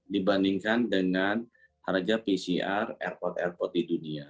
dibandingkan dengan harga pcr airport airport di dunia